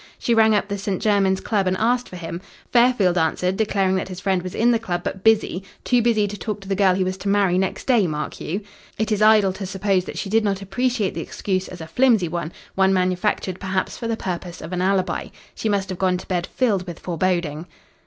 She rang up the St. Jermyn's Club and asked for him. Fairfield answered, declaring that his friend was in the club, but busy too busy to talk to the girl he was to marry next day, mark you. It is idle to suppose that she did not appreciate the excuse as a flimsy one one manufactured perhaps for the purpose of an alibi. She must have gone to bed filled with foreboding.